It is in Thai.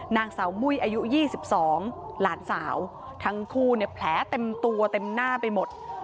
นางสาวมุ้ยอายุ๒๒หลานสาวทั้งคู่เนี่ยแผลเต็มตัวเต็มหน้าไปหมด